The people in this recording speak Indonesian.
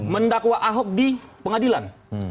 mendakwa ahok di pengadilan